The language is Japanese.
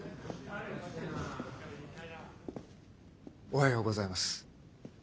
おはようございます。